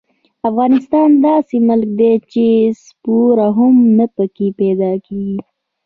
افغانستان داسې ملک دې چې سپوره هم نه پکې پیدا کېږي.